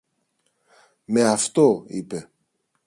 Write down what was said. Με αυτό, είπε.